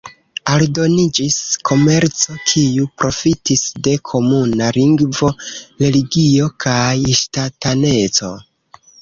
Aldoniĝis komerco, kiu profitis de komuna lingvo, religio kaj ŝtataneco.